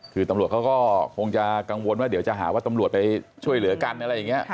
คือตำรวจเขาก็คงจะกังวลว่าเดี๋ยวจะหาว่าตำรวจไปช่วยเหลือกันอะไรอย่างนี้